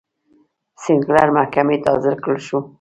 سینکلر محکمې ته حاضر کړل شو.